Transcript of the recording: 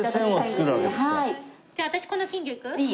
じゃあ私この金魚いく？いいよ。